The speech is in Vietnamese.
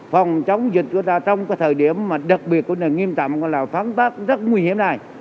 phòng chống dịch trong thời điểm đặc biệt nghiêm tạm phán tác rất nguy hiểm này